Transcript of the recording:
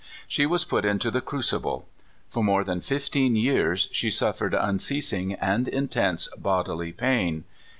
She was put into the crucible. For more than fifteen years she suffered unceasing and intense bodily pain.